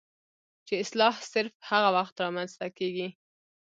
چې اصلاح صرف هغه وخت رامنځته کيږي